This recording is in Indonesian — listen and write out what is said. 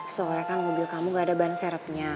soalnya kan mobil kamu gak ada ban serepnya